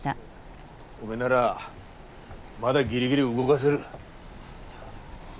おめえならまだギリギリ動がせる。